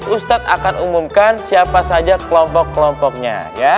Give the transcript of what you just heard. ustadz akan umumkan siapa saja kelompok kelompoknya